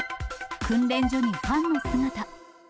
訓練所にファンの姿。